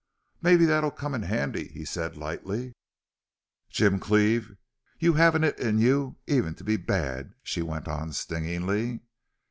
"Maybe that'll come in handy," he said, lightly. "Jim Cleve, you haven't it in you even to be BAD," she went on, stingingly.